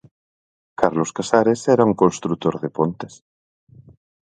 Carlos Casares era un construtor de pontes.